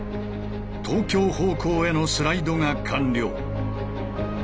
東京方向へのスライドが完了。